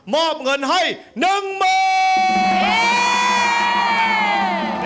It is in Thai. มอบเงินให้๑๐๐๐บาท